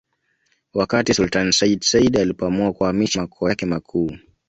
Wakati Sultani Sayyid Said alipoamua kuhamisha makao yake makuu